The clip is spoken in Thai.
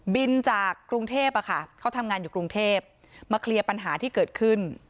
จากกรุงเทพเขาทำงานอยู่กรุงเทพมาเคลียร์ปัญหาที่เกิดขึ้น